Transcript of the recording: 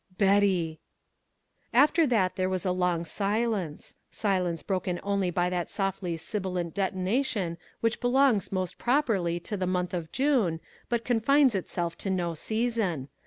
"Betty!" After that there was a long silence... silence broken only by that softly sibilant detonation which belongs most properly to the month of June, but confines itself to no season...